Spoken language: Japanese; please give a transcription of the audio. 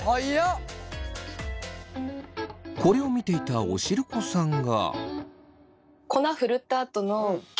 これを見ていたおしるこさんが。